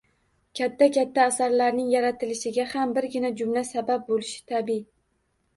Katta-katta asarlarning yaratilishiga ham birgina jumla sabab bo‘lishi tabiiy.